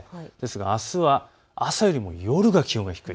あすは朝よりも夜が気温が低い。